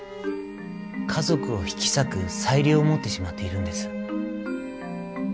家族を引き裂く裁量を持ってしまっているんです。